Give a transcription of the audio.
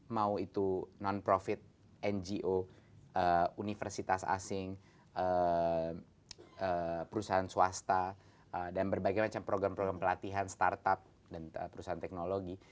mau itu non profit ngo universitas asing perusahaan swasta dan berbagai macam program program pelatihan startup dan perusahaan teknologi